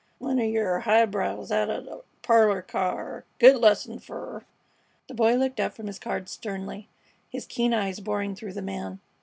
One o' yer highbrows out o' th' parlor car! Good lesson fer 'er!" The Boy looked up from his cards sternly, his keen eyes boring through the man.